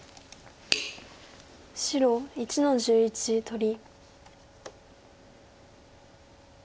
白１の十一取り。